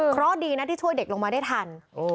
เพราะดีนะที่ช่วยเด็กลงมาได้ทัน